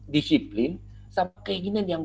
disiplin sampai keinginan yang